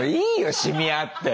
シミあって！